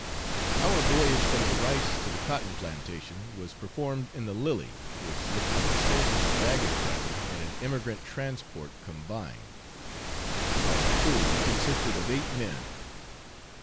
Our voyage from the rice to the cotton plantation was performed in the Lily, which looked like a soldier's baggage wagon and an emigrant transport combined. Our crew consisted of eight men.